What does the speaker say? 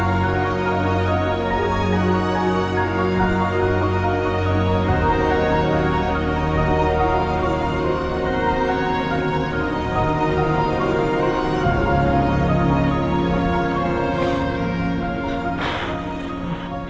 assalamualaikum warahmatullahi wabarakatuh